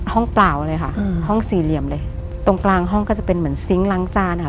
เปล่าเลยค่ะอืมห้องสี่เหลี่ยมเลยตรงกลางห้องก็จะเป็นเหมือนซิงค์ล้างจานนะคะ